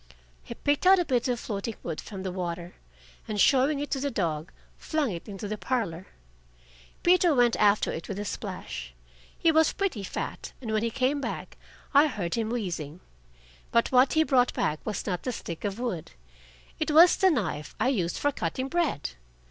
He picked out a bit of floating wood from the water, and showing it to the dog, flung it into the parlor. Peter went after it with a splash. He was pretty fat, and when he came back I heard him wheezing. But what he brought back was not the stick of wood. It was the knife I use for cutting bread.